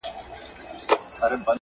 دلته مړی شوی ځکه یې نشم وهلای